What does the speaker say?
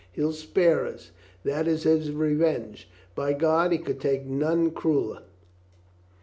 He'll spare us. That is his revenge. By God, he could take none crueler."